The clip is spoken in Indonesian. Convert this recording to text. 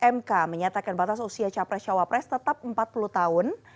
mk menyatakan batas usia capres cawapres tetap empat puluh tahun